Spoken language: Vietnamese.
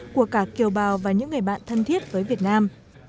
của cả kiều bào và những người bạn thân thiết với việt nam